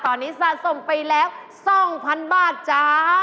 ตอนนี้สัตว์ส่งไปแล้ว๒พันบาทจ๊ะ